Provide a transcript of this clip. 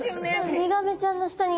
ウミガメちゃんの下に。